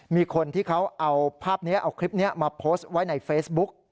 มีคนที่เขาเอาภาพนี้เอาคลิปนี้มาโพสต์ไว้ในเฟซบุ๊ก